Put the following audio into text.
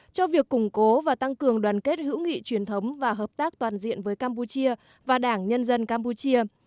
cho việc củng cố và tăng cường đoàn kết hữu nghị truyền thống và hợp tác toàn diện với campuchia và đảng nhân dân campuchia